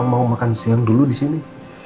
mau makan siang dulu disini